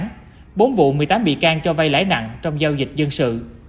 trước thực trạng này bốn vụ một mươi tám bị can cho vai lãi nặng trong giao dịch dân sự